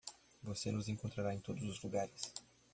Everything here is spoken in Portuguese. Você nos encontrará em todos os lugares.